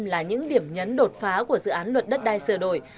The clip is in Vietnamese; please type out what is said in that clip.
là những điểm nhấn đột phá của dự án luật đất đai sửa đổi